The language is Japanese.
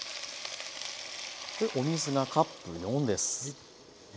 お水がカップ４です。